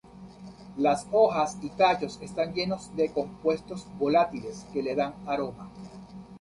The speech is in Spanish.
Las hojas y tallos están llenos de compuestos volátiles que le dan el aroma.